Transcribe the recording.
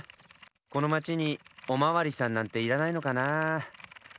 このまちにおまわりさんなんていらないのかなあ？